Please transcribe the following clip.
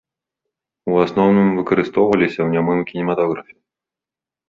У асноўным выкарыстоўваліся ў нямым кінематографе.